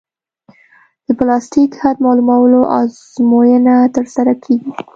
د پلاستیک حد معلومولو ازموینه ترسره کیږي